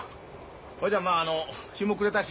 ほいじゃまああの日も暮れたし。ね。